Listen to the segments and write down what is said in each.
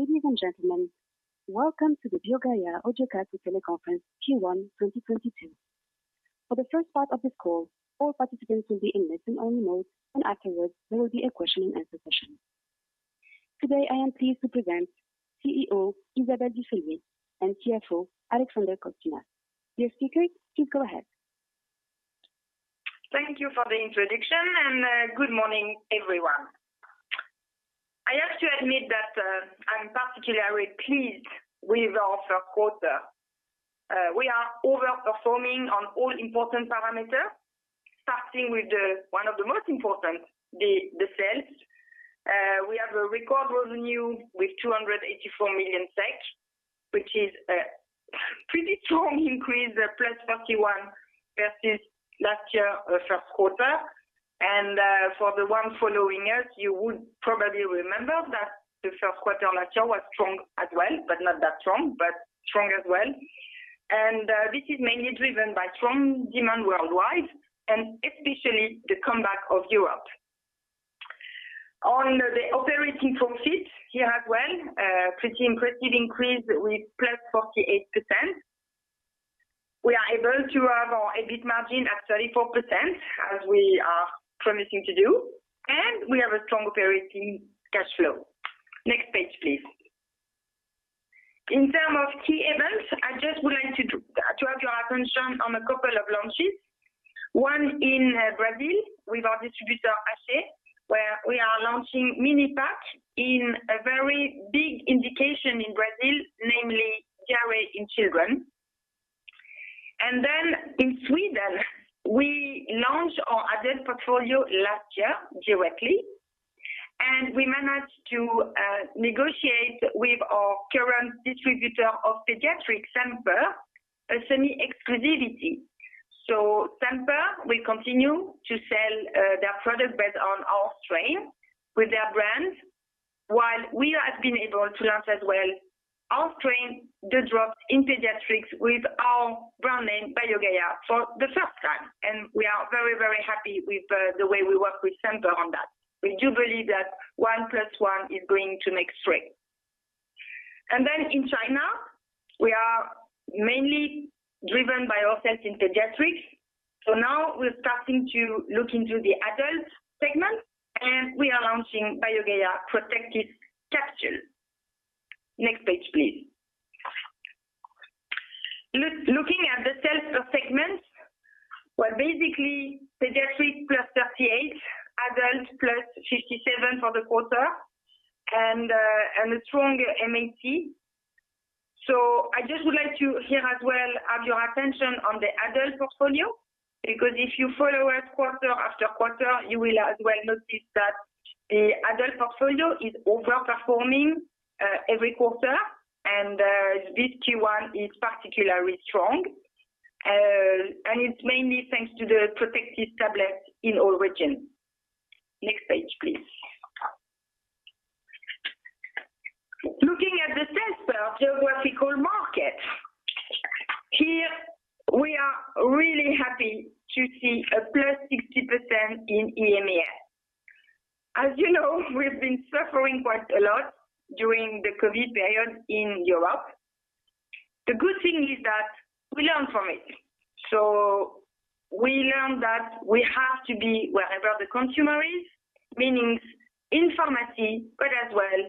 Ladies and gentlemen, welcome to the BioGaia Audiocast Teleconference Q1 2022. For the first part of this call, all participants will be in listen-only mode, and afterwards there will be a question and answer session. Today, I am pleased to present CEO Isabelle Ducellier and CFO Alexander Kotsinas. Dear speakers, please go ahead. Thank you for the introduction, and good morning, everyone. I have to admit that I'm particularly pleased with our first quarter. We are over-performing on all important parameters. Starting with one of the most important, the sales. We have a record revenue with 284 million, which is a pretty strong increase, +41% versus last year, first quarter. For the one following it, you would probably remember that the first quarter last year was strong as well, but not that strong, but strong as well. This is mainly driven by strong demand worldwide and especially the comeback of Europe. On the operating profit, here as well, pretty impressive increase with +48%. We are able to have our EBIT margin at 34%, as we are promising to do, and we have a strong operating cash flow. Next page, please. In terms of key events, I just would like to have your attention on a couple of launches. One in Brazil with our distributor, Aché, where we are launching MiniPak in a very big indication in Brazil, namely diarrhea in children. In Sweden, we launched our adult portfolio last year directly, and we managed to negotiate with our current distributor of pediatric, Semper, a semi-exclusivity. Semper will continue to sell their product based on our strain with their brands, while we have been able to launch as well our strain, the drop in pediatrics with our brand name BioGaia for the first time. We are very happy with the way we work with Semper on that. We do believe that one plus one is going to make three. In China, we are mainly driven by our sales in pediatrics. Now we're starting to look into the adult segment, and we are launching BioGaia Prodentis Capsules. Next page, please. Looking at the sales per segment. Well, basically pediatrics +38%, adult +57% for the quarter and a strong MAT. I just would like to have your attention here as well on the adult portfolio, because if you follow us quarter after quarter, you will as well notice that the adult portfolio is over-performing every quarter, and this Q1 is particularly strong. It's mainly thanks to the Prodentis Tablets in all regions. Next page, please. Looking at the sales per geographical market. Here we are really happy to see a +60% in EMEA. As you know, we've been suffering quite a lot during the COVID period in Europe. The good thing is that we learn from it. We learn that we have to be wherever the consumer is. Meaning in pharmacy, but as well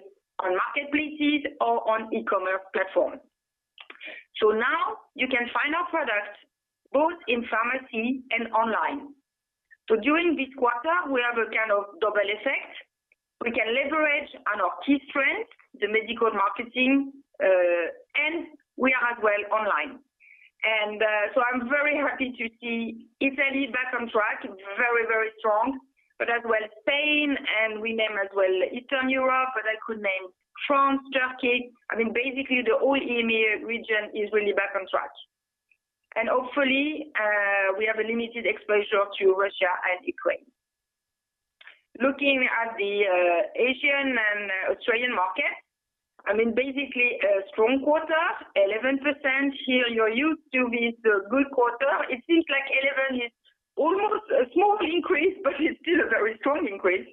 on marketplaces or on e-commerce platform. Now you can find our product both in pharmacy and online. During this quarter we have a kind of double effect. We can leverage on our key strength, the medical marketing, and we are as well online. I'm very happy to see Italy back on track, very, very strong, but as well Spain and we name as well Eastern Europe, but I could name France, Turkey. I mean, basically the whole EMEA region is really back on track. Hopefully, we have a limited exposure to Russia and Ukraine. Looking at the Asian and Australian market. I mean, basically a strong quarter, 11%. Here you're used to this good quarter. It seems like eleven is almost a small increase, but it's still a very strong increase.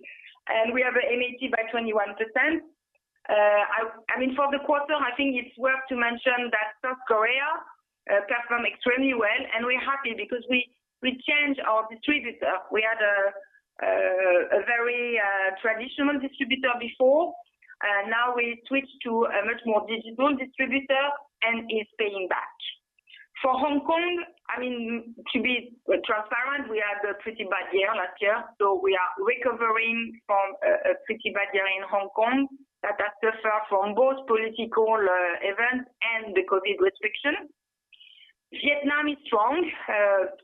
We have a MAT by 21%. I mean, for the quarter, I think it's worth to mention that South Korea performed extremely well. We're happy because we changed our distributor. We had a very traditional distributor before. Now we switched to a much more digital distributor, and it's paying back. For Hong Kong, I mean, to be transparent, we had a pretty bad year last year, so we are recovering from a pretty bad year in Hong Kong that has suffered from both political events and the COVID restriction. Vietnam is strong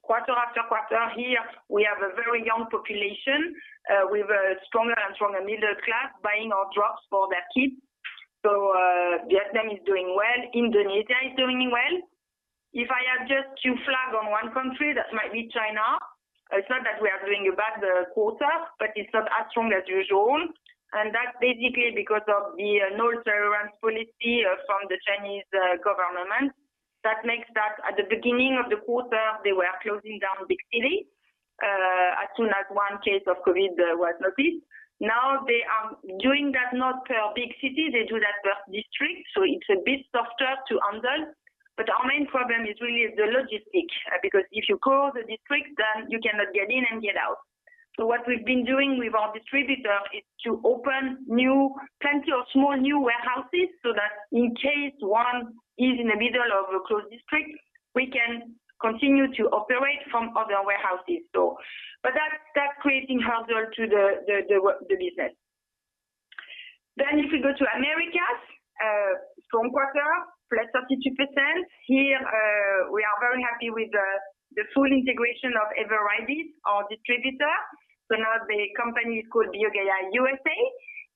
quarter after quarter. Here we have a very young population with a stronger and stronger middle class buying our drops for their kids. So, Vietnam is doing well. Indonesia is doing well. If I have just to flag on one country, that might be China. It's not that we are doing a bad quarter, but it's not as strong as usual. That's basically because of the zero-tolerance policy from the Chinese government. That meant that at the beginning of the quarter, they were closing down big cities as soon as one case of COVID was noticed. Now they are doing that not per big city, they do that per district, so it's a bit softer to handle. Our main problem is really the logistics, because if you close the district, then you cannot get in and get out. What we've been doing with our distributor is to open plenty of small new warehouses, so that in case one is in the middle of a closed district, we can continue to operate from other warehouses. That's creating hurdle to the business. If we go to Americas, strong quarter, +32%. Here, we are very happy with the full integration of Everidis, our distributor. Now the company is called BioGaia USA,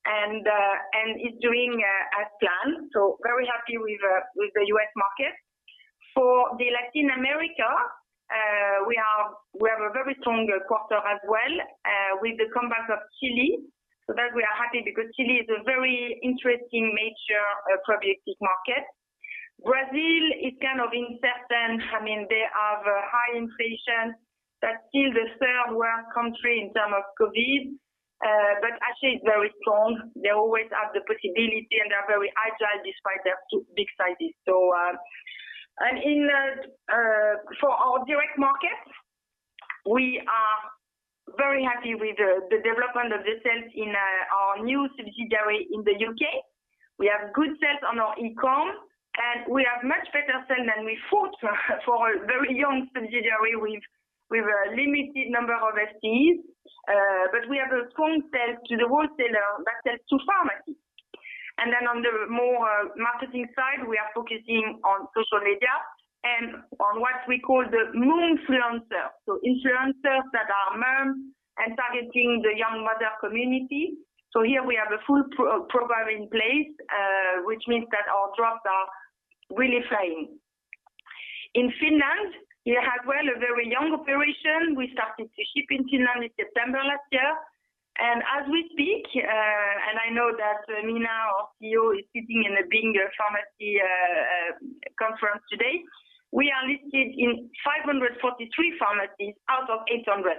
and is doing as planned. Very happy with the US market. For Latin America, we have a very strong quarter as well, with the comeback of Chile. We are happy because Chile is a very interesting major probiotic market. Brazil is kind of uncertain. I mean, they have high inflation, but still the third-world country in terms of COVID, but actually is very strong. They always have the possibility, and they are very agile despite their huge size. For our direct markets, we are very happy with the development of the sales in our new subsidiary in the U.K. We have good sales on our e-com, and we have much better sales than we thought for a very young subsidiary with a limited number of SKUs, but we have strong sales to the wholesaler that sells to pharmacy. On the more marketing side, we are focusing on social media and on what we call the momfluencer. Influencers that are mom and targeting the young mother community. Here we have a full program in place, which means that our drops are really flying. In Finland, we have, well, a very young operation. We started to ship in Finland in September last year. As we speak, and I know that Mina, our CEO, is sitting in a bigger pharmacy conference today, we are listed in 543 pharmacies out of 800.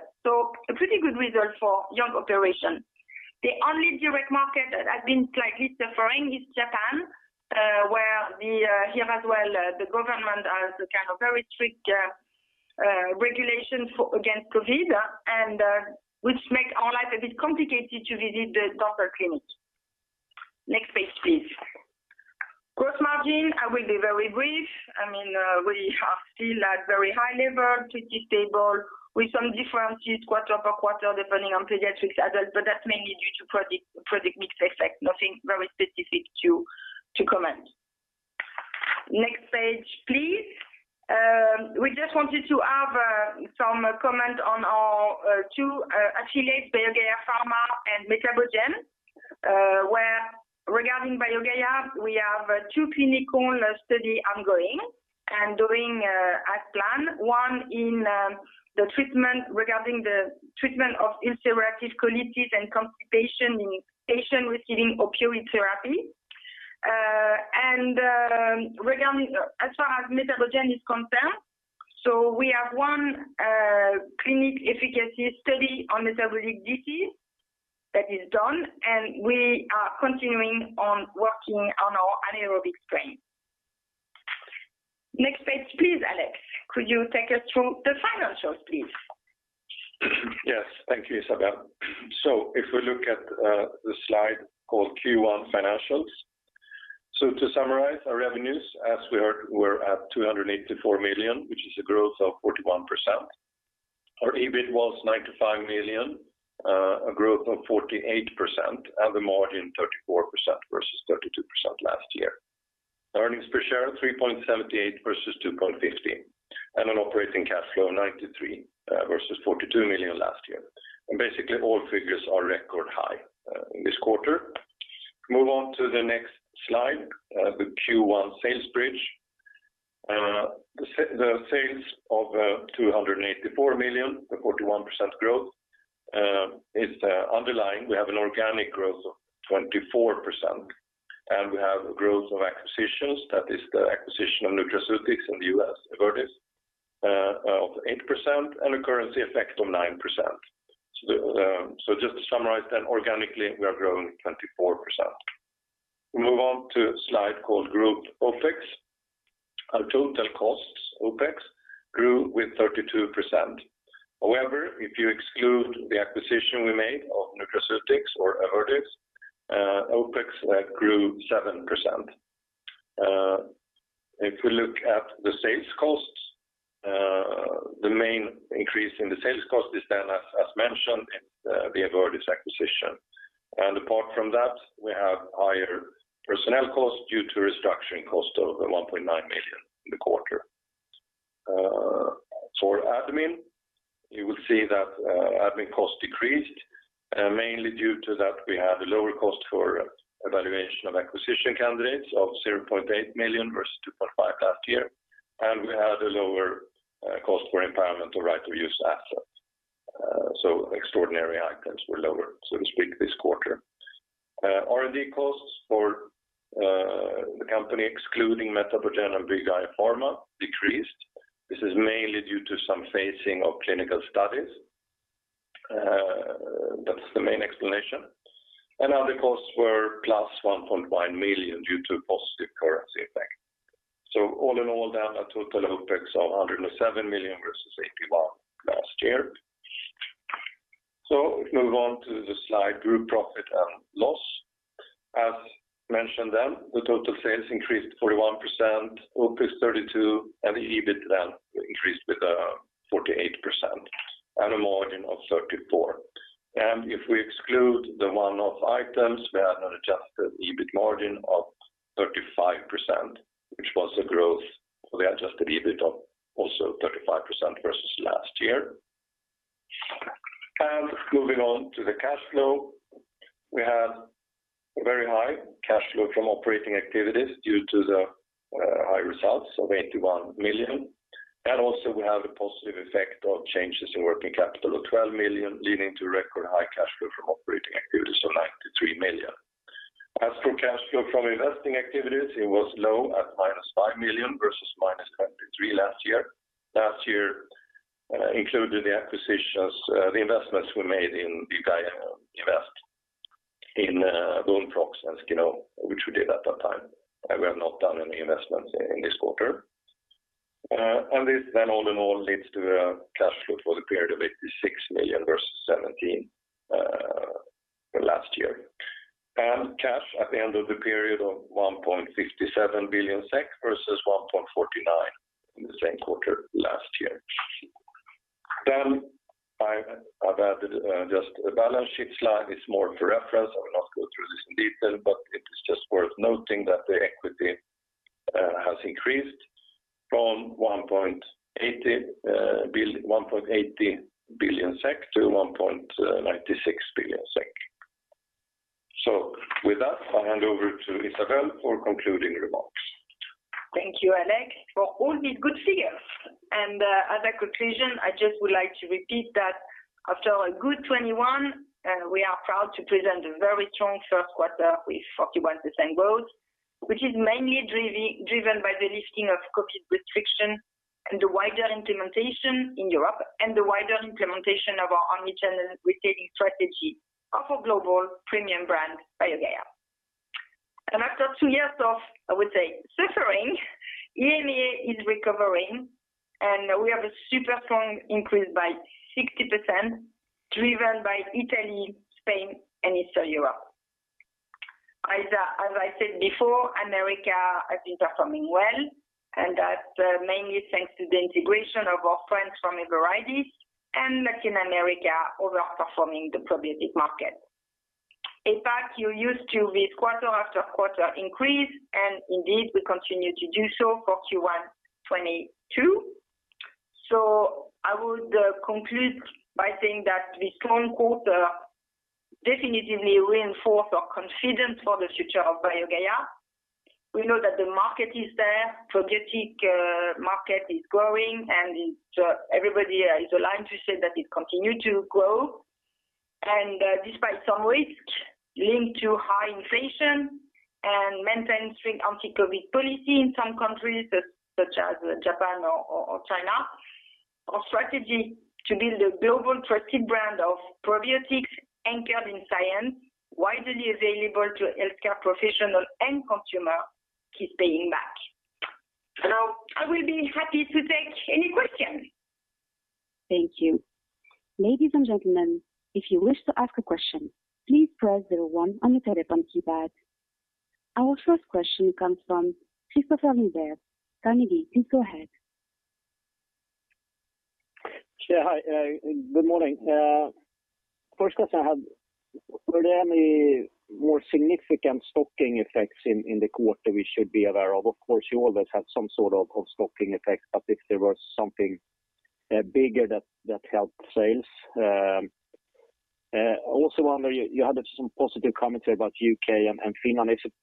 A pretty good result for young operation. The only direct market that has been slightly suffering is Japan, where here as well the government has a kind of very strict regulations against COVID and which make our life a bit complicated to visit the doctor clinic. Next page, please. Gross margin, I will be very brief. I mean, we are still at very high level, pretty stable, with some differences quarter per quarter, depending on pediatrics, adult, but that's mainly due to product mix effect. Nothing very specific to comment. Next page, please. We just wanted to have some comment on our two affiliates, BioGaia Pharma and MetaboGen, where regarding BioGaia, we have two clinical study ongoing and doing as planned, one in the treatment of ulcerative colitis and constipation in patient receiving opioid therapy. As far as MetaboGen is concerned, we have one clinical efficacy study on metabolic disease that is done, and we are continuing to work on our anaerobic strain. Next page, please, Alex. Could you take us through the financials, please? Yes. Thank you, Isabelle. If we look at the slide called Q1 Financials. To summarize our revenues, as we heard, we're at 284 million, which is a growth of 41%. Our EBIT was 95 million, a growth of 48%, and the margin 34% versus 32% last year. Earnings per share, 3.78% versus 2.50%. An operating cash flow of 93 million versus 42 million last year. Basically all figures are record high in this quarter. Move on to the next slide, the Q1 sales bridge. The sales of 284 million, the 41% growth, is underlying. We have an organic growth of 24%, and we have a growth of acquisitions. That is the acquisition of Nutraceutics in the US, Everidis, of 8% and a currency effect of 9%. Just to summarize then organically, we are growing 24%. We move on to a slide called Group OPEX. Our total costs, OPEX, grew with 32%. However, if you exclude the acquisition we made of Nutraceutics or Everidis, OPEX grew 7%. If we look at the sales costs, the main increase in the sales cost is then as mentioned in the Everidis acquisition. Apart from that, we have higher personnel costs due to restructuring cost of 1.9 million in the quarter. For admin, you will see that admin costs decreased mainly due to that we have a lower cost for evaluation of acquisition candidates of 0.8 million versus 2.5 million last year. We had a lower cost for impairment of right to use assets. Extraordinary items were lower so to speak this quarter. R&D costs for the company excluding MetaboGen and BioGaia Pharma decreased. This is mainly due to some phasing of clinical studies. That's the main explanation. Other costs were +1.1 million due to positive currency effect. All in all, down a total OPEX of 107 million versus 81 million last year. Move on to the slide group profit and loss. As mentioned then, total sales increased 41%, OpEx 32%, and EBIT increased with 48% at a margin of 34%. If we exclude the one-off items, we had an adjusted EBIT margin of 35%, which was a growth for the adjusted EBIT of also 35% versus last year. Moving on to the cash flow, we have a very high cash flow from operating activities due to the high results of 81 million. Also we have a positive effect of changes in working capital of 12 million, leading to record high cash flow from operating activities of 93 million. As for cash flow from investing activities, it was low at -5 million versus 23 million last year. Last year included the acquisitions, the investments we made in BioGaia Invest in bone health and skin health, which we did at that time, and we have not done any investments in this quarter. This all in all leads to a cash flow for the period of 86 million versus 17 million last year. Cash at the end of the period of 1.57 billion SEK versus 1.49 billion in the same quarter last year. I've added just a balance sheet slide. It's more for reference. I will not go through this in detail, but it is just worth noting that the equity has increased from 1.80 to 1.96 billion. With that, I'll hand over to Isabelle for concluding remarks. Thank you, Alex, for all these good figures. As a conclusion, I just would like to repeat that after a good 2021, we are proud to present a very strong first quarter with 41% growth, which is mainly driven by the lifting of COVID restriction and the wider implementation in Europe and the wider implementation of our omni-channel retailing strategy of a global premium brand, BioGaia. After two years of, I would say, suffering, EMEA is recovering, and we have a super strong increase by 60%, driven by Italy, Spain, and Eastern Europe. As I said before, America has been performing well, and that's mainly thanks to the integration of our friends from Everidis and Latin America overperforming the probiotic market. In fact, you're used to this quarter after quarter increase, and indeed, we continue to do so for Q1 2022. I would conclude by saying that this strong quarter definitively reinforce our confidence for the future of BioGaia. We know that the market is there, probiotic market is growing, and so everybody is aligned to say that it continue to grow. Despite some risk linked to high inflation and maintain strict anti-COVID policy in some countries such as Japan or China, our strategy to build a global trusted brand of probiotics anchored in science, widely available to healthcare professional and consumer, keeps paying back. I will be happy to take any question. Thank you. Ladies and gentlemen, if you wish to ask a question, please press zero one on your telephone keypad. Our first question comes from Kristofer Liljeberg, Carnegie, please go ahead. Yeah, hi, good morning. First question I had, were there any more significant stocking effects in the quarter we should be aware of? Of course, you always have some sort of stocking effects, but if there was something bigger that helped sales. I also wonder you had some positive commentary about U.K. and Finland. Is it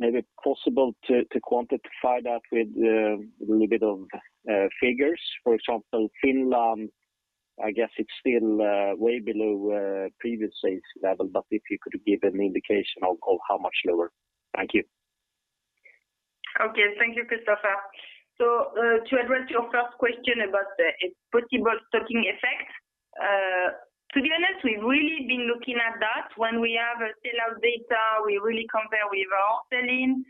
maybe possible to quantify that with a little bit of figures? For example, Finland, I guess it's still way below previous sales level, but if you could give an indication of how much lower. Thank you. Okay. Thank you, Kristofer. To address your first question about the possible stocking effect, to be honest, we've really been looking at that. When we have a sellout data, we really compare with our sell-in.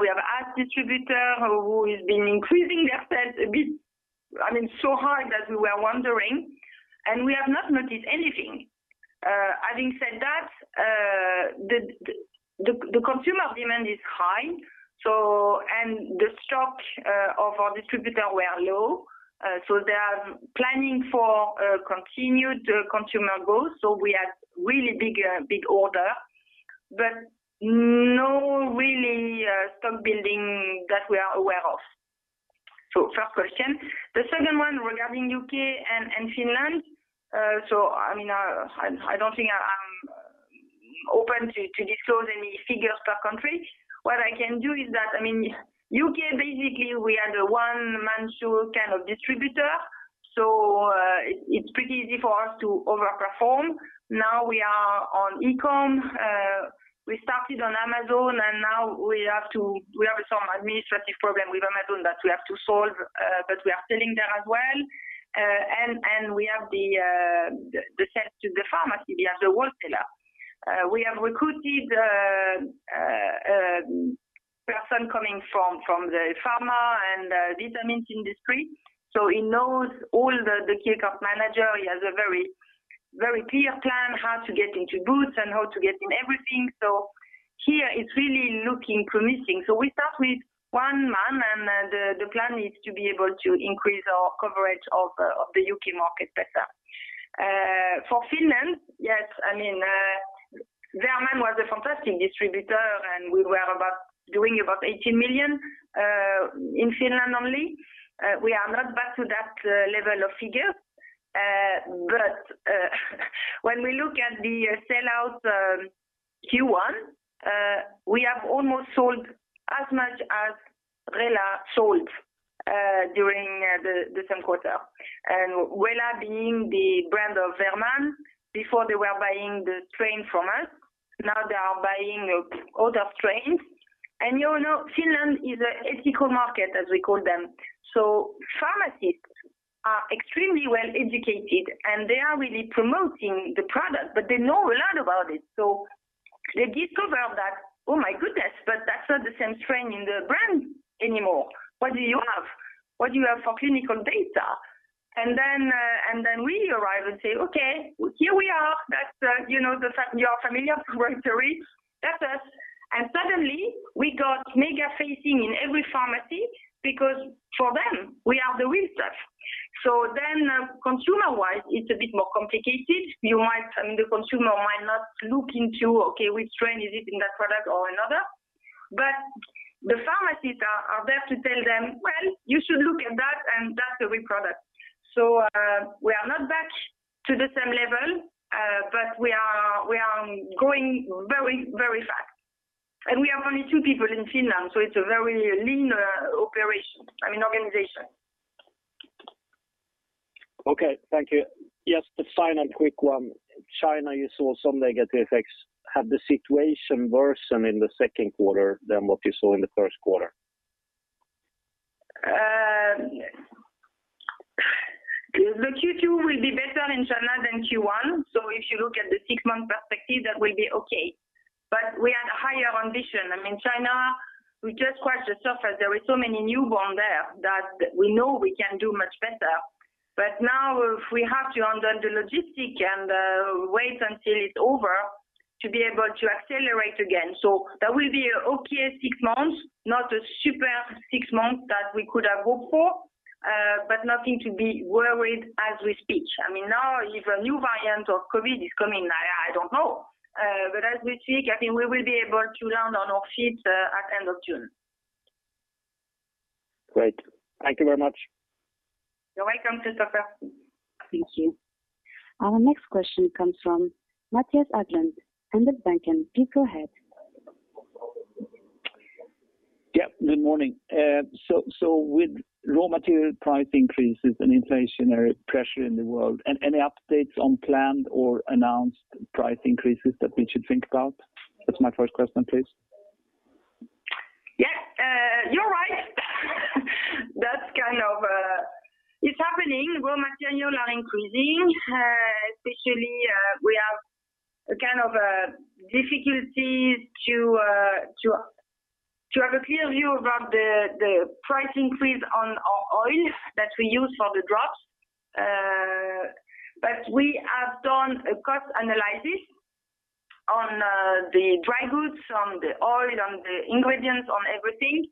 We have asked distributor who has been increasing their sales a bit, I mean, so hard that we were wondering, and we have not noticed anything. Having said that, the consumer demand is high, so the stock of our distributor were low. They are planning for continued consumer growth. We have really big order, but no really stock building that we are aware of. First question. The second one regarding UK and Finland. I mean, I don't think I'm open to disclose any figures per country. What I can do is that, UK basically, we are the one man show kind of distributor. It's pretty easy for us to overperform. Now we are on e-com. We started on Amazon, and now we have some administrative problem with Amazon that we have to solve, but we are selling there as well. We have the sales to the pharmacy. We have the wholesaler. We have recruited a person coming from the pharma and vitamins industry, so he knows all the key account manager. He has a very clear plan how to get into Boots and how to get in everything. Here it's really looking promising. We start with one man, and the plan is to be able to increase our coverage of the UK market better. For Finland, yes, I mean, Verman was a fantastic distributor, and we were doing about 18 million in Finland only. We are not back to that level or figure. When we look at the sellout, Q1, we have almost sold as much as Rela sold during the same quarter. Rela being the brand of Verman before they were buying the strain from us. Now they are buying other strains. You know, Finland is an ethical market, as we call them. Pharmacists are extremely well educated, and they are really promoting the product, but they know a lot about it. They discover that, "Oh my goodness, but that's not the same strain in the brand anymore. What do you have for clinical data?" Then we arrive and say, "Okay, here we are. That's, you know, the familiar territory. That's us." Suddenly we got mega facings in every pharmacy because for them, we have the real stuff. Then, consumer-wise, it's a bit more complicated. I mean, the consumer might not look into, okay, which strain is it in that product or another. The pharmacists are there to tell them, "Well, you should look at that, and that's the real product." We are not back to the same level, but we are going very, very fast. We have only two people in Finland, so it's a very lean operation, I mean organization. Okay, thank you. Just a final quick one. China, you saw some negative effects. Have the situation worsened in the second quarter than what you saw in the first quarter? The Q2 will be better in China than Q1. If you look at the six-month perspective, that will be okay. We had higher ambition. I mean, China, we just scratched the surface. There are so many newborns there that we know we can do much better. Now if we have to undo the logistics and wait until it's over to be able to accelerate again. That will be an okay six months, not a super six months that we could have hoped for, but nothing to be worried as we speak. I mean, now if a new variant of COVID is coming, I don't know. As we speak, I think we will be able to land on our feet at end of June. Great. Thank you very much. You're welcome, Kristofer. Thank you. Our next question comes from Mattias Häggblom, Handelsbanken. Please go ahead. Yeah, good morning. With raw material price increases and inflationary pressure in the world, any updates on planned or announced price increases that we should think about? That's my first question, please. Yeah. You're right. That's kind of. It's happening. Raw materials are increasing. Especially, we have a kind of a difficulty to have a clear view about the price increase on our oil that we use for the drops. But we have done a cost analysis on the dry goods, on the oil, on the ingredients, on everything.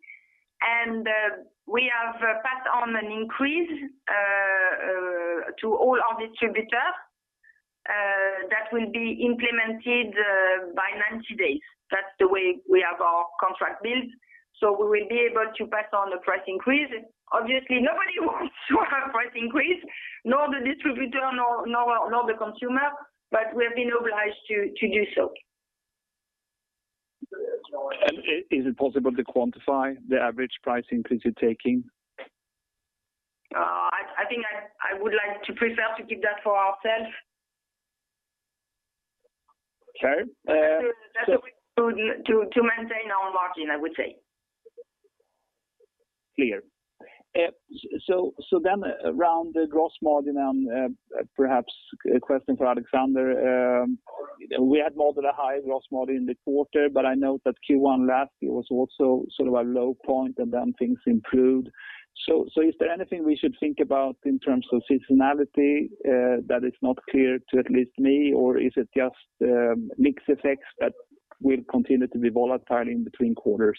We have passed on an increase to all our distributors that will be implemented by 90 days. That's the way we have our contract built, so we will be able to pass on the price increase. Obviously, nobody wants to have price increase, nor the distributor nor the consumer, but we have been obliged to do so. Is it possible to quantify the average price increase you're taking? I think I would like to prefer to keep that for ourselves. Okay. To maintain our margin, I would say. Clear. Around the gross margin and, perhaps a question for Alexander. We had rather a high gross margin in the quarter, but I know that Q1 last year was also sort of a low point and then things improved. Is there anything we should think about in terms of seasonality, that is not clear to at least me? Or is it just mix effects that will continue to be volatile in between quarters?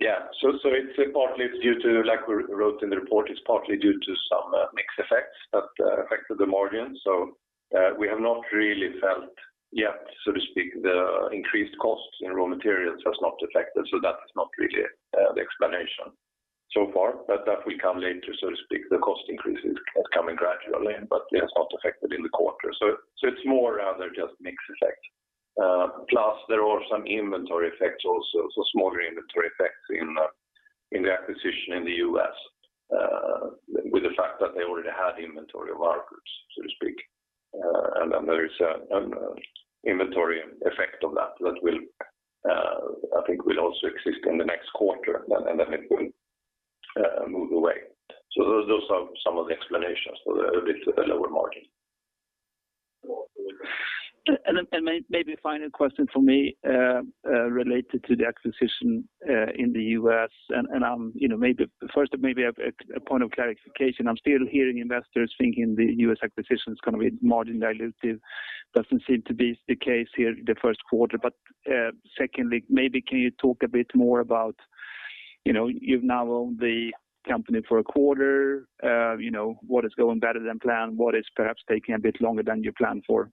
Yeah. It's partly due to, like we wrote in the report, it's partly due to some mix effects that affected the margin. We have not really felt yet, so to speak, the increased costs in raw materials. That has not affected, so that is not really the explanation so far. That will come later, so to speak. The cost increases are coming gradually, but it has not affected in the quarter. It's more rather just mix effect. Plus there are some inventory effects also, so smaller inventory effects in the acquisition in the US, with the fact that they already had inventory of ours, so to speak. There is inventory effect of that will, I think, will also exist in the next quarter and then it will move away. Those are some of the explanations for the a bit lower margin. Maybe final question for me related to the acquisition in the U.S. I'm you know, maybe first a point of clarification. I'm still hearing investors thinking the U.S. acquisition is gonna be margin dilutive. Doesn't seem to be the case here in the first quarter. Secondly, maybe can you talk a bit more about, you know, you've now owned the company for a quarter. You know, what is going better than planned? What is perhaps taking a bit longer than you planned for?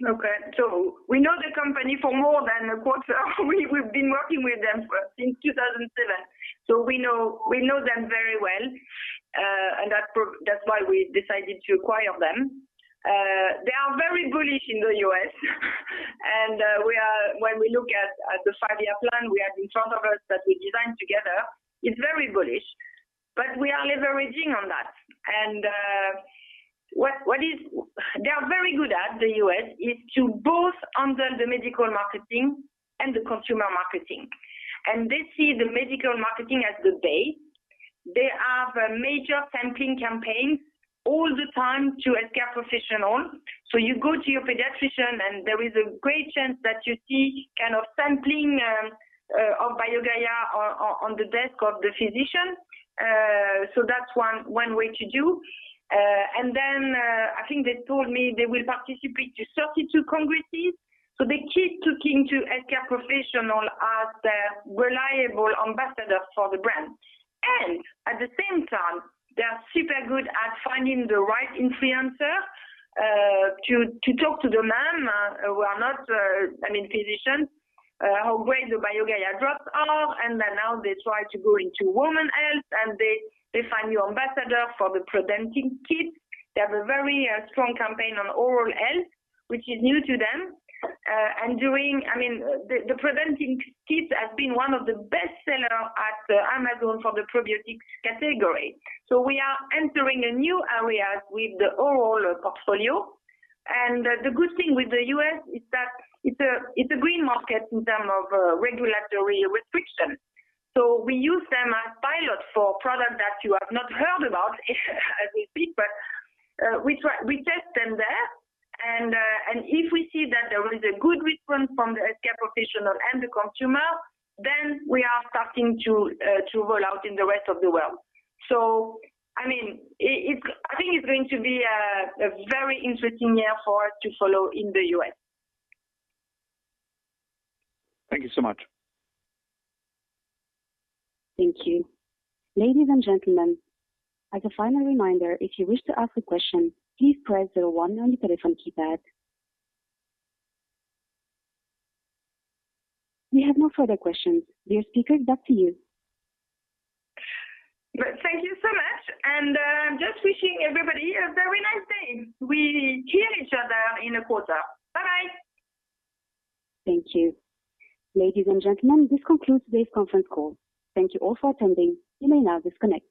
Okay. We know the company for more than a quarter. We've been working with them since 2007. We know them very well, and that's why we decided to acquire them. They are very bullish in the U.S. When we look at the five-year plan we have in front of us that we designed together, it's very bullish, but we are leveraging on that. They are very good at the U.S. is to both handle the medical marketing and the consumer marketing. They see the medical marketing as the base. They have a major sampling campaign all the time to healthcare professionals. You go to your pediatrician, and there is a great chance that you see samples of BioGaia on the desk of the physician. That's one way to do. I think they told me they will participate to 32 congresses, so they keep talking to healthcare professionals as a reliable ambassador for the brand. At the same time, they are super good at finding the right influencer to talk to the moms who are not, I mean, physicians how great the BioGaia Drops are. Then now they try to go into women's health, and they find new ambassadors for the Prodentis Kids. They have a very strong campaign on oral health, which is new to them. I mean, the Prodentis Kids has been one of the best seller at Amazon for the probiotics category. We are entering a new area with the oral portfolio. The good thing with the U.S. is that it's a green market in terms of regulatory restriction. We use them as pilot for product that you have not heard about as we speak, but we test them there. If we see that there is a good response from the healthcare professional and the consumer, then we are starting to roll out in the rest of the world. I mean, it's going to be a very interesting year for us to follow in the U.S. Thank you so much. Thank you. Ladies and gentlemen, as a final reminder, if you wish to ask a question, please press zero one on your telephone keypad. We have no further questions. Dear speakers, back to you. Thank you so much, and just wishing everybody a very nice day. We hear each other in a quarter. Bye-bye. Thank you. Ladies and gentlemen, this concludes today's conference call. Thank you all for attending. You may now disconnect.